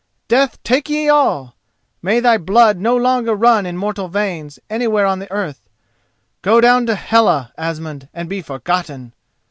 Death take ye all! May thy blood no longer run in mortal veins anywhere on the earth! Go down to Hela, Asmund, and be forgotten!"